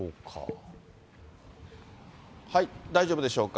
大丈夫でしょうか。